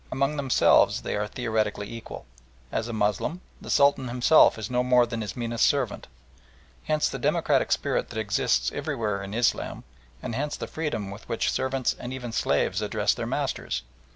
Among themselves they are theoretically equal. As a Moslem the Sultan himself is no more than his meanest servant. Hence the democratic spirit that exists everywhere in Islam, and hence the freedom with which servants and even slaves address their masters.